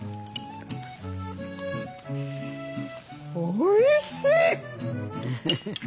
おいしい！